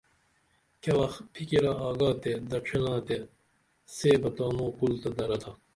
کیہ وخ پھکرہ آگا تے دڇھینا تے سے بہ تانو کُل تہ درہ تھا